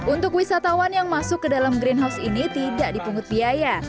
untuk wisatawan yang masuk ke dalam greenhouse ini tidak dipungut biaya